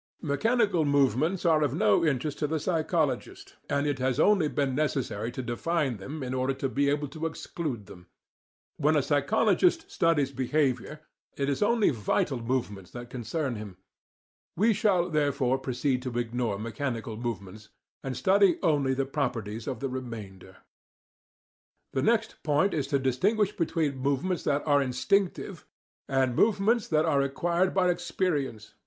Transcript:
Mechanical movements are of no interest to the psychologist, and it has only been necessary to define them in order to be able to exclude them. When a psychologist studies behaviour, it is only vital movements that concern him. We shall, therefore, proceed to ignore mechanical movements, and study only the properties of the remainder. The next point is to distinguish between movements that are instinctive and movements that are acquired by experience.